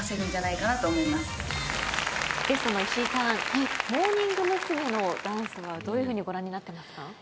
ゲストの石井さんモーニング娘。のダンスはどういうふうにご覧になってますか？